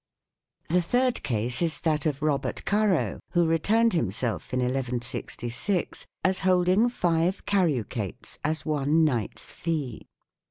The third case is that of Robert Caro, who returned himself, in 1166, as holding five carucates as one knight's fee.